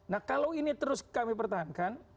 nah kalau ini terus kami pertahankan